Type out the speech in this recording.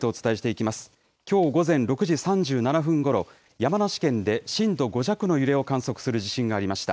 きょう午前６時３７分ごろ、山梨県で震度５弱の揺れを観測する地震がありました。